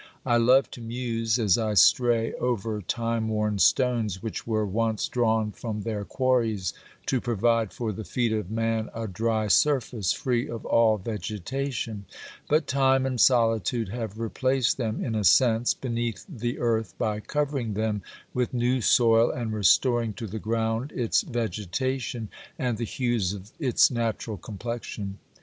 I love to muse as I stray over time worn stones which were once drawn from their quarries to provide for the feet of man a dry surface free of all vegetation ; but time and solitude have replaced them, in a sense, beneath the earth by covering them with new soil, and restoring to the ground its vegetation and the hues of its natural complexion.